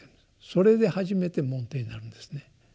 それで初めて門弟になるんですね。